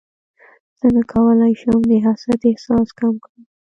څنګه کولی شم د حسد احساس کم کړم